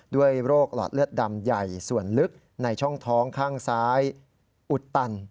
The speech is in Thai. ด้วยโรคหลอดเลือดดำใหญ่ส่วนลึกในช่องท้องข้างซ้ายอุดตัน